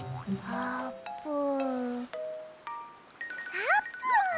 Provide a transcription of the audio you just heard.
あーぷん？